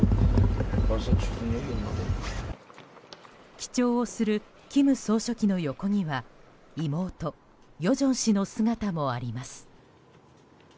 記帳をする金総書記の横には妹・与正氏の姿もあります。